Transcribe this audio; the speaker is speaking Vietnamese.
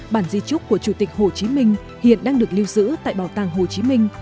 bản di trúc của chủ tịch hồ chí minh hiện đang được lưu giữ tại bảo tàng hồ chí minh